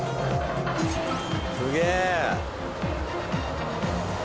すげえ！